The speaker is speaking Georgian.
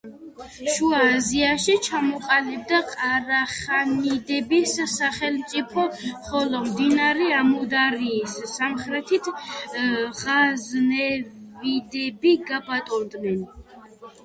შუა აზიაში ჩამოყალიბდა ყარახანიდების სახელმწიფო, ხოლო მდინარე ამუდარიის სამხრეთით ღაზნევიდები გაბატონდნენ.